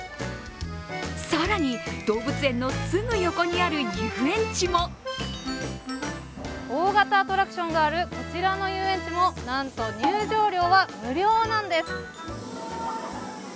更に、動物園のすぐ横にある遊園地も大型アトラクションがあるこちらの遊園地もなんと入場料は無料なんです！